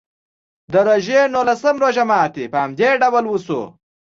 د روژې نولسم روژه ماتي په همدې ډول وشو.